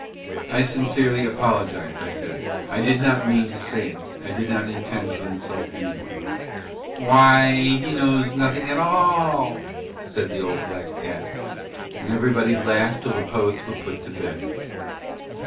"I sincerely apologize," I said. "I did not mean to say it. I did not intend to insult any one." "Why he knows nothing at all," said the old black cat. And everybody laughed till the poets were put to bed.